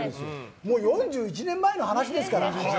もう４１年前の話ですから。